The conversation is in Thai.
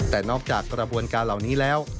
แต่นอกจากกระบวนการเหล่านี้แล้ว